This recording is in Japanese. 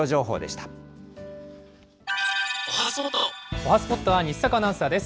おはＳＰＯＴは西阪アナウンサーです。